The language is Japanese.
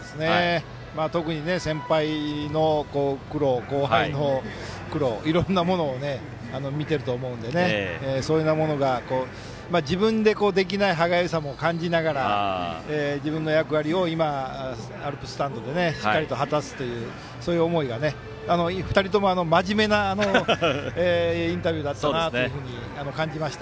特に先輩の苦労後輩の苦労いろいろなものを見ていると思うのでそういうものが自分でできない歯がゆさも感じながら、自分の役割を今、アルプススタンドでしっかりと果たすという思いが２人ともまじめなインタビューだったなと感じました。